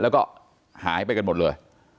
แล้วก็หายไปกันหมดเลย